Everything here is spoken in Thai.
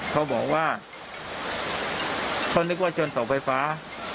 เขาบอกว่าเขานึกว่าชนเสาไฟฟ้า